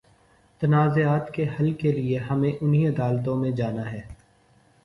تنازعات کے حل کے لیے ہمیں انہی عدالتوں میں جانا ہے۔